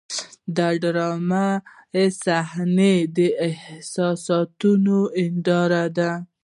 د ډرامې صحنه د احساساتو هنداره ده.